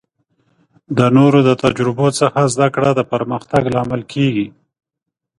د نورو د تجربو څخه زده کړه د پرمختګ لامل کیږي.